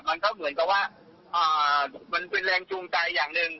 มันก็เหมือนกับว่ามันเป็นแรงจูงใจอย่างหนึ่ง